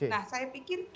nah saya pikir